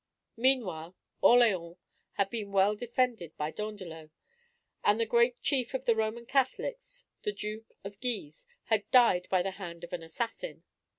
Meanwhile Orleans had been well defended by Dandelot; and the great chief of the Roman Catholics, the Duke of Guise, had died by the hand of an assassin.